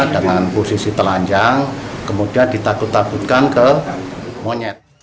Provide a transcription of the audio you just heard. dengan posisi telanjang kemudian ditakut takutkan ke monyet